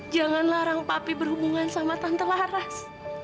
jangan larang papi berhubungan sama tante laras